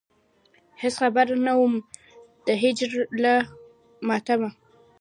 هېڅ خبر نه وم د هجر له ماتمه.